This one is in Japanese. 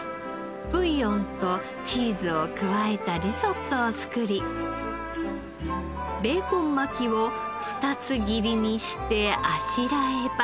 ブイヨンとチーズを加えたリゾットを作りベーコン巻きを２つ切りにしてあしらえば。